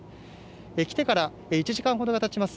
来てから１時間ほどがたちます。